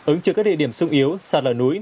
ứng trước các địa điểm xung yếu sạt lở núi